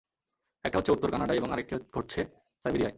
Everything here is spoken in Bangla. একটা হচ্ছে উত্তর কানাডায় এবং আরেকটি ঘটছে সাইবেরিয়ায়।